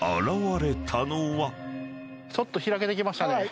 ちょっと開けてきましたね。